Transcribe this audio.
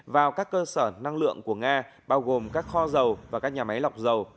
vào các cơ sở năng lượng của nga bao gồm các kho dầu và các nhà máy lọc dầu